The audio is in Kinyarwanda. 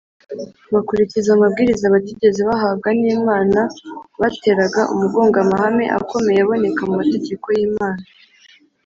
bakurikiza amabwiriza batigeze bahabwa n’imana, bateraga umugongo amahame akomeye aboneka mu mategeko y’imana